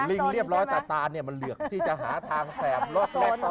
ลิงเรียบร้อยแต่ตานเนี่ยมันเหลือกที่จะหาทางแสบลดแรกตลอดเวลา